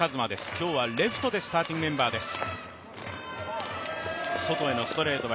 今日はレフトでスターティングメンバーです。